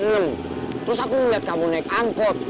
terus aku ngeliat kamu naik angkot